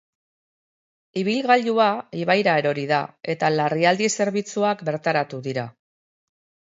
Ibilgailua ibaira erori da, eta larrialdi zerbitzuak bertaratu dira.